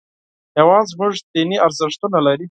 هېواد زموږ دیني ارزښتونه لري